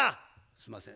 すんません。